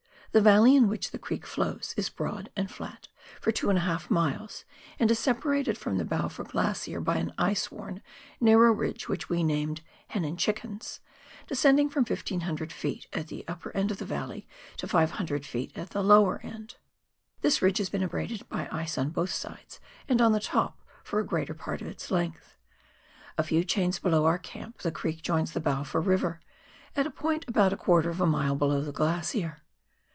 The valley, in which the creek flows, is broad and flat for two and a half miles, and is separated from the Balfour Glacier by an ice worn narrow ridge which we named " Hen and Chickens," descending from 1,500 ft. at the upper end of the valley to 500 ft. at the lower end. This ridge has been abraded by ice on both sides, and on the top for a greater part of its length. A iew chains below our camp the creek joins the Balfour River, at a point about a quarter of a mile below the glacier.